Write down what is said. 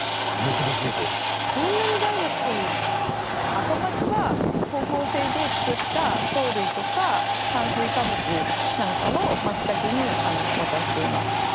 アカマツは光合成で作った糖類とか炭水化物なんかをマツタケに渡しています。